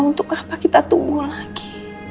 untuk apa kita tumbuh lagi